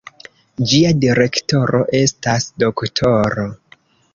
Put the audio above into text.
Ĝia direktoro estas D-ro.